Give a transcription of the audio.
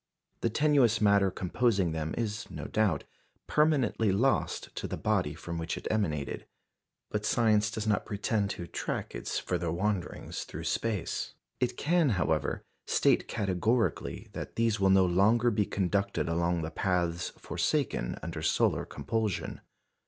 The tenuous matter composing them is, no doubt, permanently lost to the body from which it emanated; but science does not pretend to track its further wanderings through space. It can, however, state categorically that these will no longer be conducted along the paths forsaken under solar compulsion.